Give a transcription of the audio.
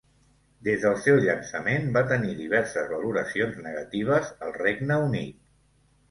Des del seu llançament, va tenir diverses valoracions negatives al Regne Unit.